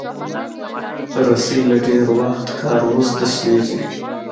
رسۍ له ډېر وخت کار وروسته شلېږي.